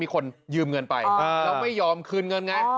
คนยืมเงินไปแล้วไม่ยอมคืนเงินไง